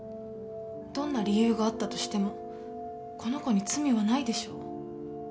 どんな理由があったとしてもこの子に罪はないでしょ。